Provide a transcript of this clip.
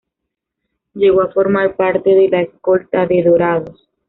Llegó a formar parte de la escolta de ""Dorados"".